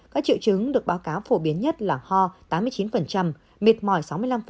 các triệu chứng được báo cáo phổ biến nhất là ho tám mươi chín mệt mỏi sáu mươi năm